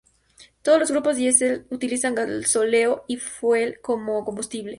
Todos los grupos diesel utilizan gasóleo y fuel como combustible.